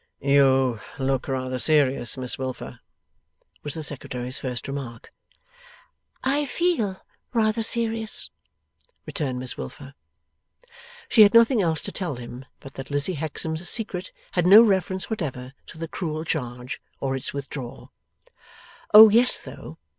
'You look rather serious, Miss Wilfer,' was the Secretary's first remark. 'I feel rather serious,' returned Miss Wilfer. She had nothing else to tell him but that Lizzie Hexam's secret had no reference whatever to the cruel charge, or its withdrawal. Oh yes though!